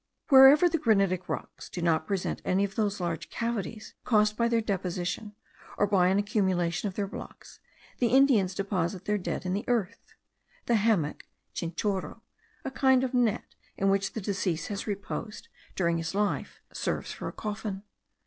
Wherever the granitic rocks do not present any of those large cavities caused by their decomposition, or by an accumulation of their blocks, the Indians deposit their dead in the earth. The hammock (chinchorro), a kind of net in which the deceased had reposed during his life, serves for a coffin.